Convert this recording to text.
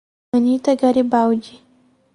Anita Garibaldi